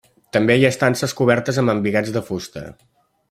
També hi ha estances cobertes amb embigats de fusta.